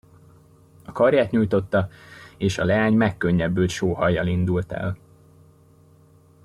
A karját nyújtotta, és a leány megkönnyebbült sóhajjal indult el.